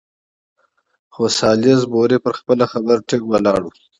خو سالیزبوري پر خپله خبره ټینګ ولاړ وو.